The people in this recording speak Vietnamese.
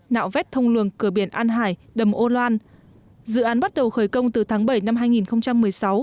nạo vét thông luồng cửa biển an hải đầm âu loan dự án bắt đầu khởi công từ tháng bảy năm hai nghìn một mươi sáu